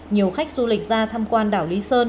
nhiều khách du lịch ra tham quan đảo lý sơn